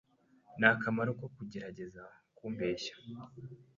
Nta kamaro kugerageza kumbeshya.